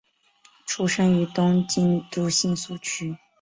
出身于东京都新宿区。